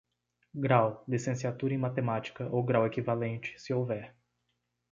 Grau: Licenciatura em Matemática, ou grau equivalente, se houver.